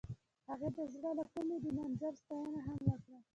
هغې د زړه له کومې د منظر ستاینه هم وکړه.